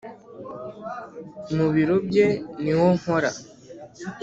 mubiro bye niho nkora